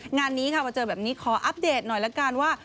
งานนี้ค่ะมาเจอแบบนี้ขออัปเดตหน่อยละกันว่า